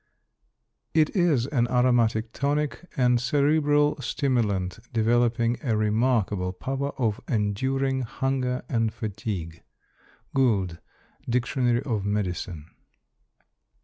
It is an aromatic tonic and cerebral stimulant, developing a remarkable power of enduring hunger and fatigue. _Gould: Dictionary of Medicine.